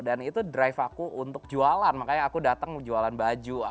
dan itu drive aku untuk jualan makanya aku datang jualan baju